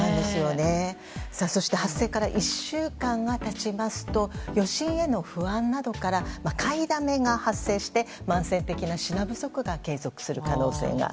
そして発生から１週間が経ちますと余震への不安などから買いだめが発生して慢性的な品不足が継続する可能性が。